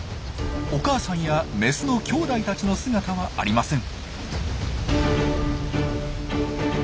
お母さんやメスのきょうだいたちの姿はありません。